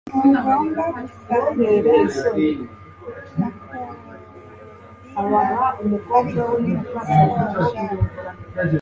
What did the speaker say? Ntugomba gusangira na Korodina ariko ndifuza ko wabishaka